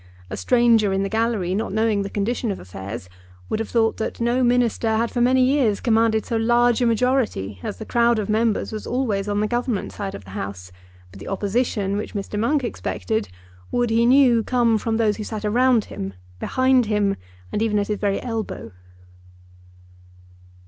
A stranger in the gallery, not knowing the condition of affairs, would have thought that no minister had for many years commanded so large a majority, as the crowd of members was always on the Government side of the House; but the opposition which Mr. Monk expected would, he knew, come from those who sat around him, behind him, and even at his very elbow.